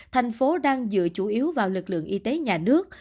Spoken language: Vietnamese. thành phố đang dựa chủ yếu vào lực lượng y tế nhà nước